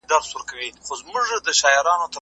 خلګو په پټه کتابونه لوستل.